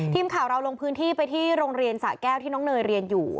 ทีมข่าวเราลงพื้นที่ไปที่โรงเรียนสะแก้วที่น้องเนยเรียนอยู่